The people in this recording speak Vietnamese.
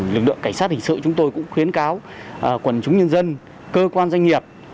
lực lượng cảnh sát hình sự chúng tôi cũng khuyến cáo quần chúng nhân dân cơ quan doanh nghiệp